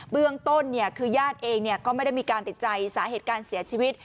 เบื้องต้นคือญาติเองก็ไม่ได้มีการติดใจสาเหตุการเสียชีวิต